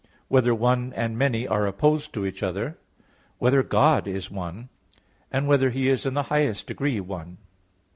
(2) Whether "one" and "many" are opposed to each other? (3) Whether God is one? (4) Whether He is in the highest degree one?